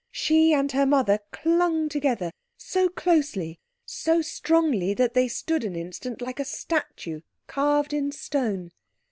She and her mother clung together—so closely, so strongly that they stood an instant like a statue carved in stone.